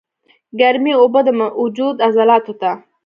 ګرمې اوبۀ د وجود عضلاتو ته